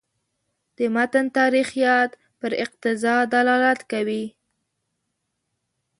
د متن تاریخیت پر اقتضا دلالت کوي.